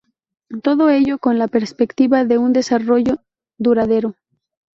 Todo ello con la perspectiva de un desarrollo duradero.